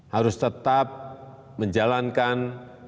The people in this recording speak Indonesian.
harus tetap menjalankan